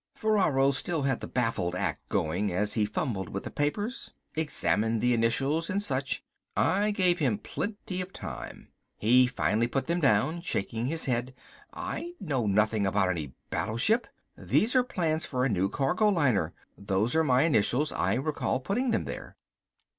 Ferraro still had the baffled act going as he fumbled with the papers, examined the initials and such. I gave him plenty of time. He finally put them down, shaking his head. "I know nothing about any battleship. These are the plans for a new cargo liner. Those are my initials, I recall putting them there."